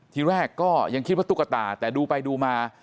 ทีแรกก็ยังคิดว่าตุ๊กตาแต่ดูไปดูมา